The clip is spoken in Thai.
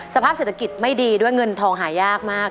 สภาพเศรษฐกิจไม่ดีด้วยเงินทองหายากมาก